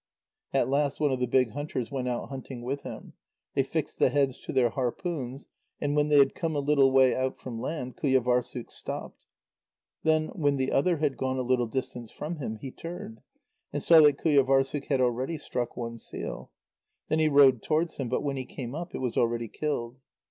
At last one of the big hunters went out hunting with him. They fixed the heads to their harpoons, and when they had come a little way out from land, Qujâvârssuk stopped. Then when the other had gone a little distance from him, he turned, and saw that Qujâvârssuk had already struck one seal. Then he rowed towards him, but when he came up, it was already killed.